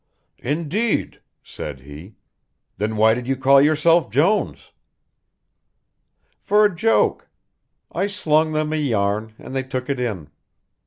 "Indeed," said he, "then why did you call yourself Jones?" "For a joke. I slung them a yarn and they took it in.